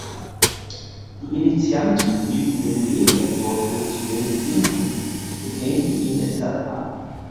Die Initianten hielten den Gegenentwurf für zu wenig bindend und lehnten ihn deshalb ab.